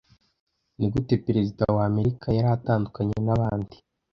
Nigute perezida wa Amerika yari atandukanye nabandi